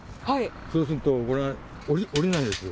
そうすると、これ、下りないんです。